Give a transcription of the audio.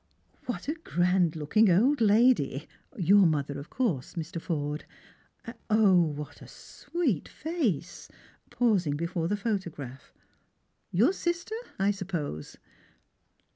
" What a grand looking old lady !— your mother, of course, Mr. Forde ? And, 0, what a sweet face !" pausing before the photograph. " Your sister, I suppose